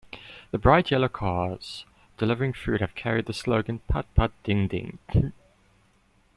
The bright yellow cars delivering food have carried the slogan "Putt-Putt Ding-Ding".